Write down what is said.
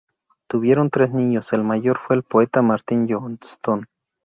Tuvieron tres niños, el mayor fue el poeta Martin Johnston.